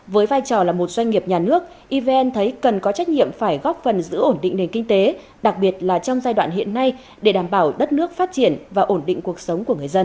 với vai trò là một doanh nghiệp nhà nước evn thấy cần có trách nhiệm phải góp phần giữ ổn định nền kinh tế đặc biệt là trong giai đoạn hiện nay để đảm bảo đất nước phát triển và ổn định cuộc sống của người dân